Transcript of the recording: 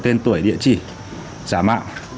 tên tuổi địa chỉ giả mạo